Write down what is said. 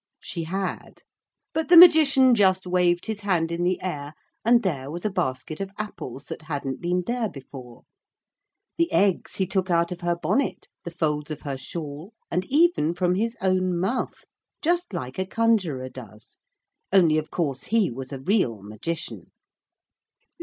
She had. But the Magician just waved his hand in the air, and there was a basket of apples that hadn't been there before. The eggs he took out of her bonnet, the folds of her shawl, and even from his own mouth, just like a conjurer does. Only of course he was a real Magician.